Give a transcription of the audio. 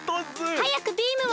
はやくビームを！